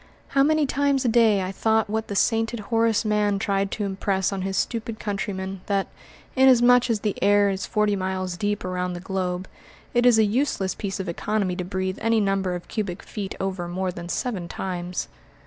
How many times a day I thought what the sainted Horace Mann tried to impress on his stupid countrymen, that, inasmuch as the air is forty miles deep around the globe, it is a useless piece of economy to breathe any number of cubic feet over more than seven times!